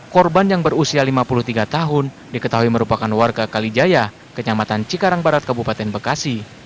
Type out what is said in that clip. korban yang berusia lima puluh tiga tahun diketahui merupakan warga kalijaya kenyamatan cikarang barat kabupaten bekasi